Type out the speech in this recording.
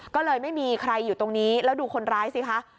ก็เลยไม่มีใครอยู่ตรงนี้แล้วดูคนร้ายสิคะ